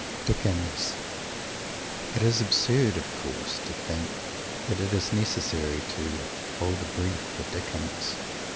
DICKENS It is absurd, of course, to think that it is necessary to "hold a brief" for Dickens.